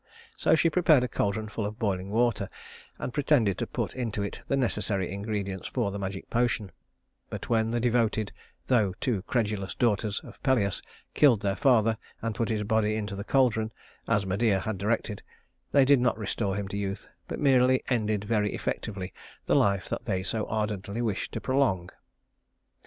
So she prepared a caldron full of boiling water, and pretended to put into it the necessary ingredients for the magic potion; but when the devoted, though too credulous daughters of Pelias killed their father, and put his body into the caldron, as Medea had directed, they did not restore him to youth, but merely ended very effectively the life that they so ardently wished to prolong.